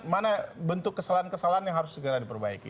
mana bentuk kesalahan kesalahan yang harus segera diperbaiki